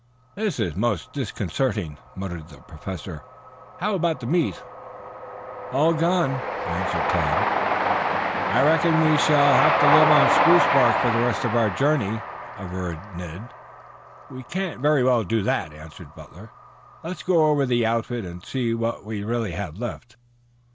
"This is most disconcerting," muttered the Professor. "How about the meat?" "All gone," answered Tad. "I reckon we shall have to live on spruce bark for the rest of our journey," averred Ned. "We can't very well do that," answered Butler. "Let's go over the outfit and see what we really have left."